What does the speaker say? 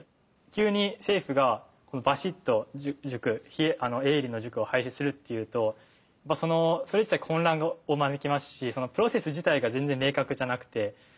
急に政府がばしっと営利の塾を廃止するっていうとそれ自体混乱を招きますしプロセス自体が全然明確じゃなくて。